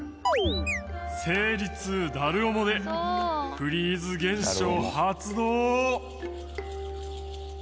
生理痛ダルオモでフリーズ現象発動！